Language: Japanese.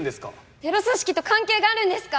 テロ組織と関係があるんですか！？